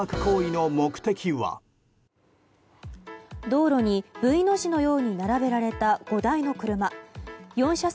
道路にＶの字のように並べられた５台の車。